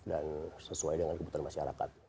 dan sesuai dengan kebutuhan masyarakat